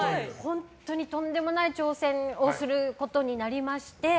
本当にとんでもない挑戦をすることになりまして。